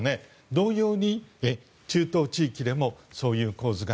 同様に、中東地域でもそういう構図が。